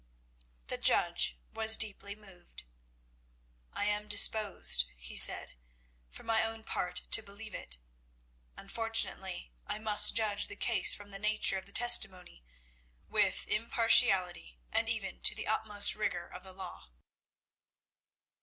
The judge was deeply moved. "I am disposed," he said, "for my own part to believe it. Unfortunately, I must judge the case from the nature of the testimony, with impartiality and even to the utmost rigour of the law."